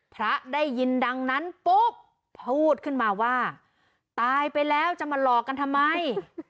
พระได้ยินดังนั้นปุ๊บพูดขึ้นมาว่าตายไปแล้วจะมาหลอกกันทำไม